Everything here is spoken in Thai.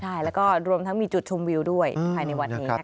ใช่แล้วก็รวมทั้งมีจุดชมวิวด้วยภายในวัดนี้นะคะ